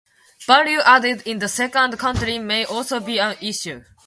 Value added in the second country may also be an issue.